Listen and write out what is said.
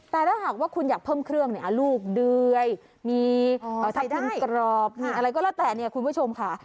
แต่ถ้าหากว่าคุณอยากเพิ่มเครื่องเนี่ยลูกเดยมีทำกินกรอบมีอะไรก็แล้วแต่เนี่ยคุณผู้ชมค่ะ